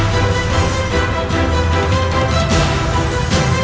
faisi tak tahu dan dia tak tahu